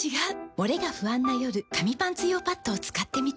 モレが不安な夜紙パンツ用パッドを使ってみた。